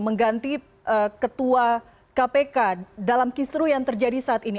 mengganti ketua kpk dalam kisru yang terjadi saat ini